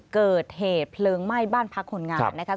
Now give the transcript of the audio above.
เกิดเหตุเพลิงไหม้บ้านพักคนงานนะคะ